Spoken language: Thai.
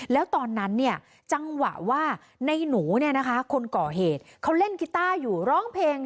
แล้วตอนนั้นเนี่ยจังหวะว่าในหนูเนี่ยนะคะคนก่อเหตุเขาเล่นกิต้าอยู่ร้องเพลง